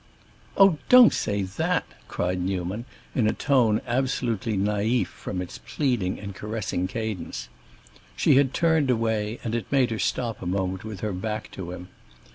"Oh, don't say that!" cried Newman, in a tone absolutely naïf from its pleading and caressing cadence. She had turned away, and it made her stop a moment with her back to him.